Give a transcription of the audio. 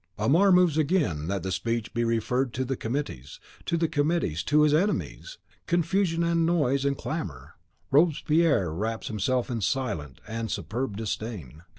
Amar moves again that the speech be referred to the Committees, to the Committees, to his enemies! Confusion and noise and clamour! Robespierre wraps himself in silent and superb disdain.